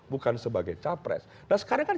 bukan sebagai capres nah sekarang kan